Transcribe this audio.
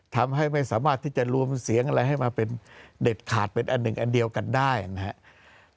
ทำให้ไม่สามารถที่จะรวมเสียงอะไรให้มาเป็นเด็ดขาดเป็นอันหนึ่งอันเดียวกันได้นะครับ